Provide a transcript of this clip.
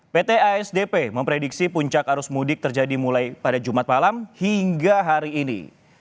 pt asdp memprediksi puncak arus mudik terjadi mulai pada jumat malam hingga hari ini